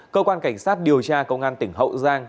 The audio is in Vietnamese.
cơ quan cảnh sát điều tra công an tỉnh hậu giang